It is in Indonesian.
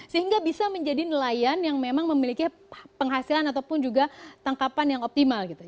sehingga bisa menjadi nelayan yang memang memiliki penghasilan ataupun juga tangkapan yang optimal gitu